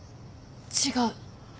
違う。